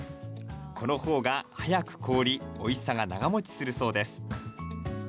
このほうが早く凍りおいしさが長もちするそうです。